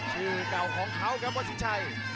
ชื่อเก่าของเขาครับวัดสินชัย